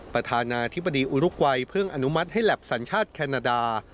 ประธานาธิบดีอุรุกวัยเพิ่งอนุมัติให้แล็บสัญชาติแคนาดา